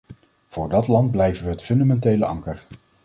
Voor dat land blijven wij het fundamentele anker.